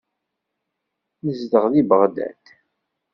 Nezdeɣ deg Beɣdad.